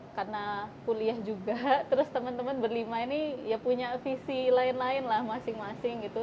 karena kuliah juga terus teman teman berlima ini ya punya visi lain lain lah masing masing gitu